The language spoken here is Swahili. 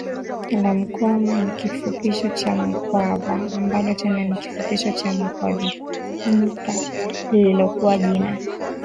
la Mkwawa ni kifupisho cha Mukwava ambalo tena ni kifupisho cha Mukwavinyika lililokuwa jina